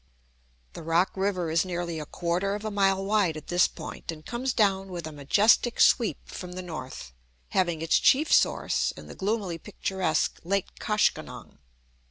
The Rock River is nearly a quarter of a mile wide at this point, and comes down with a majestic sweep from the north, having its chief source in the gloomily picturesque Lake Koshkonong.